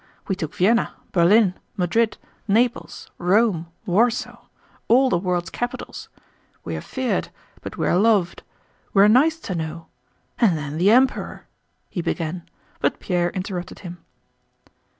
We took Vienna, Berlin, Madrid, Naples, Rome, Warsaw, all the world's capitals.... We are feared, but we are loved. We are nice to know. And then the Emperor..." he began, but Pierre interrupted him.